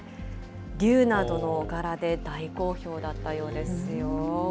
龍などの柄で大好評だったようですよ。